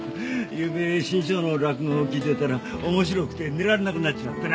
ゆうべ志ん生の落語を聞いてたら面白くて寝られなくなっちまってな。